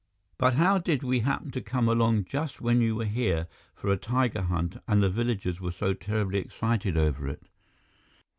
"But how did we happen to come along just when you were here for a tiger hunt and the villagers were so terribly excited over it?"